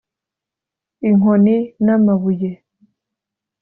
inkoni n'amabuye